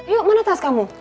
yuk mana tas kamu